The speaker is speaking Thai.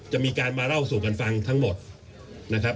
จะมีการมาเล่าสู่กันฟังทั้งหมดนะครับ